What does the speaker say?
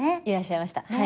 いらっしゃいました。